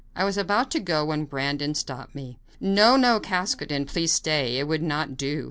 I was about to go when Brandon stopped me. "No, no; Caskoden, please stay; it would not do.